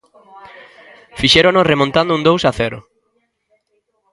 Fixérono remontando un dous a cero.